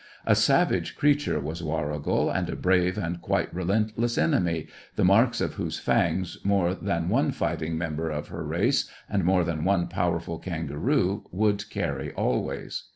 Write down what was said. A savage creature was Warrigal and a brave and quite relentless enemy, the marks of whose fangs more than one fighting member of her race and more than one powerful kangaroo would carry always.